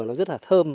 nó rất là thơm